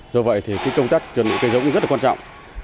do vậy thì công tác chuẩn bị cây giống rất là quan trọng